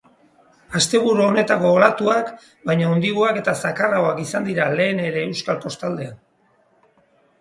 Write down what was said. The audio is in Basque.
Asteburu honetako olatuak baino handiagoak eta zakarragoak izan dira lehen ere euskal kostaldean.